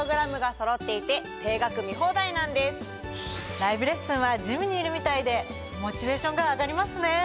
ライブレッスンはジムにいるみたいでモチベーションが上がりますね。